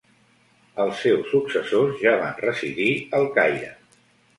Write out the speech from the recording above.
Els seus successors ja van residir al Caire.